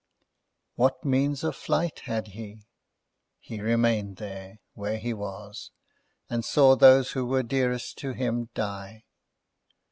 What means of flight had he? He remained there, where he was, and saw those who were dearest to him die.